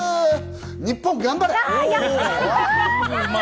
日本頑張れ！